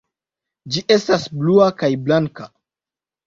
Ĝi estas blua kaj blanka.